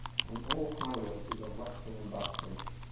On all highways is a rustling and bustling.